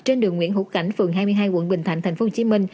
trên đường nguyễn hữu cảnh phường hai mươi hai quận bình thạnh tp hcm